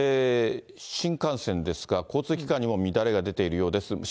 新幹線ですが、交通機関にも乱れが出ているようです。